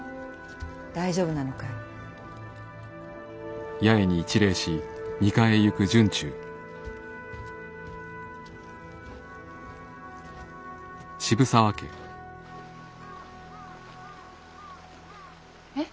大丈夫なのかい？え？